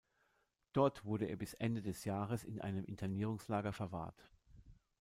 Dort wurde er bis Ende des Jahres in einem Internierungslager verwahrt.